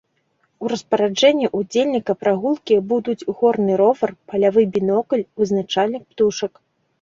У распараджэнні ўдзельніка прагулкі будуць горны ровар, палявы бінокль, вызначальнік птушак.